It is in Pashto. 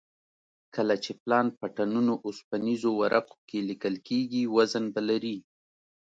کله چې پلان په ټنونو اوسپنیزو ورقو کې لیکل کېږي وزن به لري